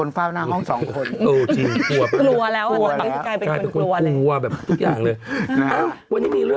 มั้นอจ่ำกันได้